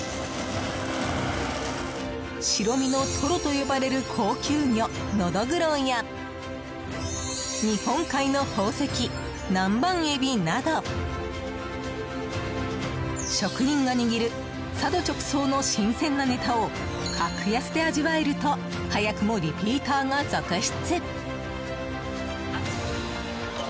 白身のトロと呼ばれる高級魚のどぐろや日本海の宝石、南蛮エビなど職人が握る佐渡直送の新鮮なネタを格安で味わえると早くもリピーターが続出！